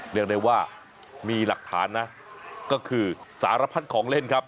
เรียกได้ว่ามีหลักฐานนะก็คือสารพัดของเล่นครับ